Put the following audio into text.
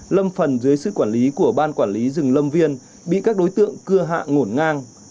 lâm phần dưới sự quản lý của ban quản lý rừng lâm viên bị các đối tượng cưa hạ ngổn ngang